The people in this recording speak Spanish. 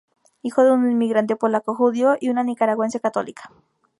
Hijo de un inmigrante polaco judío y una nicaragüense católica.